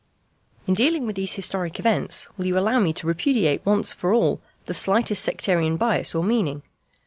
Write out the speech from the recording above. In dealing with these historic events will you allow me to repudiate once for all the slightest sectarian bias or meaning.